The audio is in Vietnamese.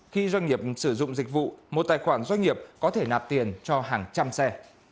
khi doanh nghiệp sử dụng dịch vụ một tài khoản doanh nghiệp có thể nạp tiền cho hàng trăm xe